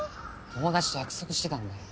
友達と約束してたんだよ。